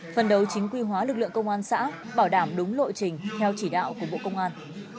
phần đấu chính quy hóa lực lượng công an xã bảo đảm đúng lộ trình theo chỉ đạo của bộ công an